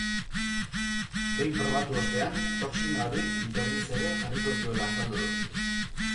Behin probatu ostean, toxina hori berriz ere jarriko ez duela azaldu du.